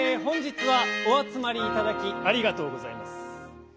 本日はおあつまりいただきありがとうございます。